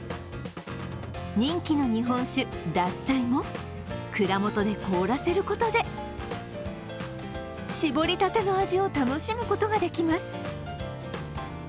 人気の日本酒、獺祭も蔵元で凍らせることで搾りたての味を楽しむことができます。